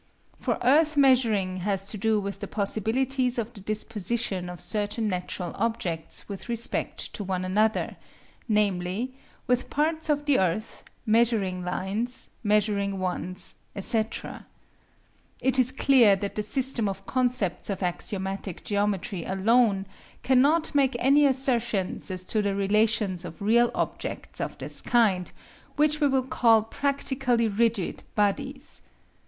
For earth measuring has to do with the possibilities of the disposition of certain natural objects with respect to one another, namely, with parts of the earth, measuring lines, measuring wands, etc. It is clear that the system of concepts of axiomatic geometry alone cannot make any assertions as to the relations of real objects of this kind, which we will call practically rigid bodies.